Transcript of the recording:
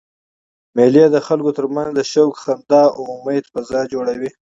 مېلې د خلکو ترمنځ د شوق، خندا او امېد فضا جوړوي.